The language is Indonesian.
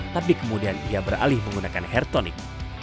tapi kemudian ia beralih menggunakan hair tonic